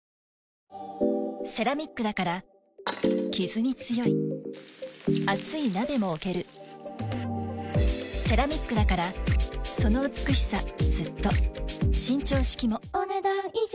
セラミックだからキズに強い熱い鍋も置けるセラミックだからその美しさずっと伸長式もお、ねだん以上。